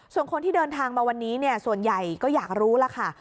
ส่วนคนที่เดินทางมาวันนี้ส่วนใหญ่ก็อยากรู้แล้วค่ะ